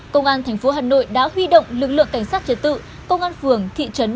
công an tp hà nội đã huy động lực lượng cảnh sát trật tự công an phường thị trấn